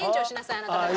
あなたたち。